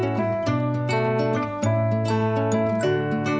sekarang sehingga benda terbentuk pada pacaran kaki sendiri